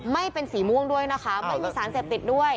ไม่เป็นสีม่วงด้วยนะคะไม่มีสารเสพติดด้วย